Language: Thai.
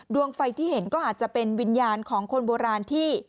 ดวงไฟที่เห็นก็อาจจะเป็นวิญญาณของคนโบราณที่